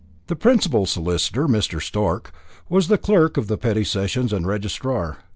The principal solicitor, Mr. Stork, was clerk of the petty sessions and registrar.